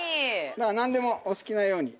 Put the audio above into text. だから何でもお好きなように。